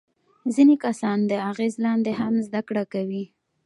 ځینې کسان د اغیز لاندې هم زده کړه کوي.